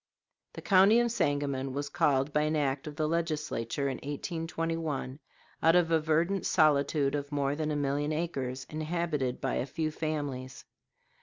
The county of Sangamon was called by an act of the Legislature in 1821 out of a verdant solitude of more than a million acres, inhabited by a few families.